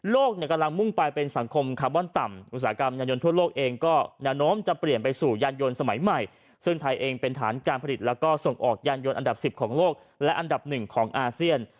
กำลังมุ่งไปเป็นสังคมคาร์บอนต่ำอุตสาหกรรมยานยนต์ทั่วโลกเองก็แนวโน้มจะเปลี่ยนไปสู่ยานยนต์สมัยใหม่ซึ่งไทยเองเป็นฐานการผลิตแล้วก็ส่งออกยานยนต์อันดับ๑๐ของโลกและอันดับหนึ่งของอาเซียน